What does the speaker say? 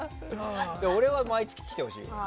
俺は毎月来てほしい。